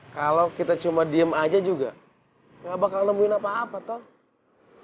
kalau kita cuma diem aja juga gak bakal nemuin apa apa toh